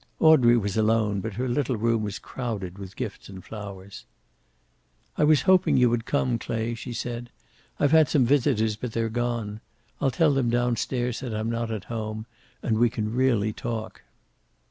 Audrey was alone, but her little room was crowded with gifts and flowers. "I was hoping you would come, Clay," she said. "I've had some visitors, but they're gone. I'll tell them down stairs that I'm not at home, and we can really talk."